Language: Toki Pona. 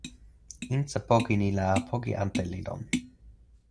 insa poki ni la poki ante li lon.